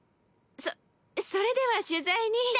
そそれでは取材に。